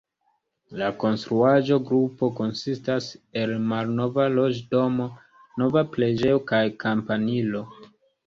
La konstruaĵo-grupo konsistas el malnova loĝdomo, nova preĝejo kaj kampanilo.